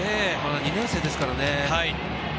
２年生ですからね。